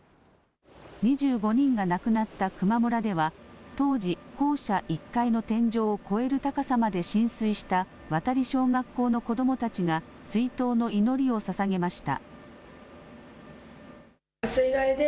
２５人が亡くなった球磨村では当時、校舎１階の天井を超える高さまで浸水した渡小学校の子どもたちが追悼の祈りをささげました。